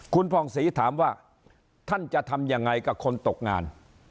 คุณผ่องศรีถามว่าท่านจะทำยังไงกับคนตกงาน